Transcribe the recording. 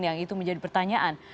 yang itu menjadi pertanyaan